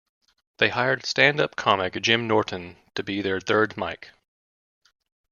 They hired stand up comic Jim Norton to be their third mic.